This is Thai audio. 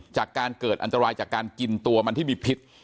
จากการเกิดอันตรายจากการกินตัวมันที่มีพิษ